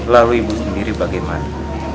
lalu ibu sendiri bagaimana